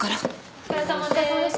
お疲れさまです。